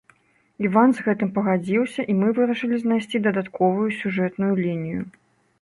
Іван з гэтым пагадзіўся і мы вырашылі знайсці дадатковую сюжэтную лінію.